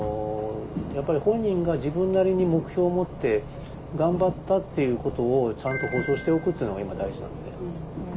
やっぱり本人が自分なりに目標を持って頑張ったっていうことをちゃんと保証しておくっていうのが今大事なんですね。